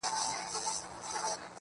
د دوی شریعت کله کله داسې ښکاري،